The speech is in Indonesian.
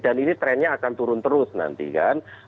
dan ini trennya akan turun terus nanti kan